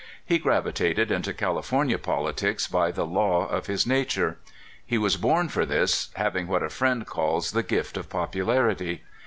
He gravitated into California politics by the law of his nature. He was born for this, having what a friend calls the gift of popularity.